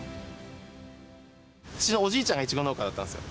うちのおじいちゃんがイチゴ農家だったんですよ。